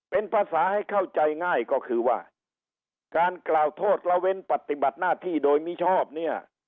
เป็นภาษาให้เข้าใจง่ายก็คือว่าการกล่าวโทษละเว้นปฏิบัติหน้าที่โดยมิชอบเนี่ย